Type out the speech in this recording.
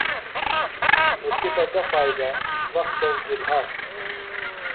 خوۡ تِپہ گہ فائدہ وخت تس دی لھاستُوۡ دےۡ۔